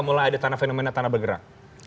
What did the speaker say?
mulai ada tanah fenomena tanah bergerak